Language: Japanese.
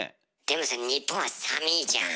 でもさ日本は寒ぃじゃん。